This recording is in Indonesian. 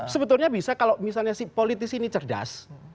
sebetulnya bisa kalau misalnya si politisi ini cerdas